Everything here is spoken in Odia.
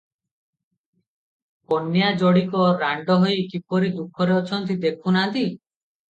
କନ୍ୟା ଯୋଡ଼ିକ ରାଣ୍ଡ ହୋଇ କିପରି ଦୁଃଖରେ ଅଛନ୍ତି, ଦେଖୁ ନାହାନ୍ତି?